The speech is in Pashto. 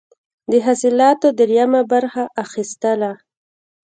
د حاصلاتو دریمه برخه اخیستله.